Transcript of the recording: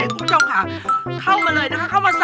คุณผู้ชมค่ะเข้ามาเลยนะคะเข้ามา